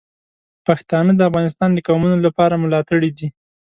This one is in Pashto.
پښتانه د افغانستان د قومونو لپاره ملاتړي دي.